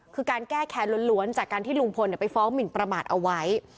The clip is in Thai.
คือการแก้แค้นล้วนจากการที่ลุงพลไปฟ้องหมินประมาทเอาไว้